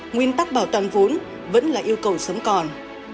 nguyên tắc bảo toàn vốn vẫn là yêu cầu sống còn